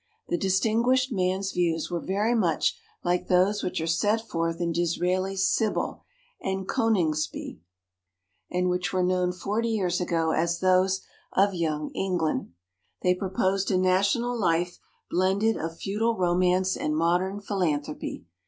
The distinguished man's views were very much like those which are set forth in Disraeli's "Sibyl" and "Coningsby," and which were known forty years ago as those of Young England. They proposed a national life blended of feudal romance and modern philanthropy.